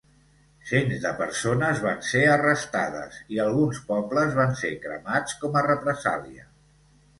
Cents de persones van ser arrestades i alguns pobles van ser cremats com a represàlia.